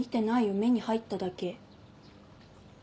目に入っただけ。